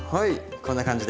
こんな感じで。